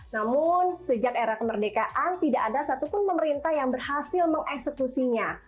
namun sejak era kemerdekaan tidak ada satupun pemerintah yang berhasil mengeksekusinya